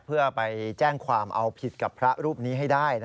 เพื่อไปแจ้งความเอาผิดกับพระรูปนี้ให้ได้